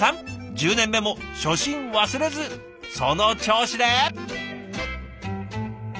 １０年目も初心忘れずその調子で！